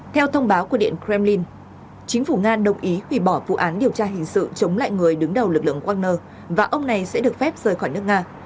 theo thông báo của điện kremlin chính phủ nga đồng ý hủy bỏ vụ án điều tra hình sự chống lại người đứng đầu lực lượng wagner và ông này sẽ được phép rời khỏi nước nga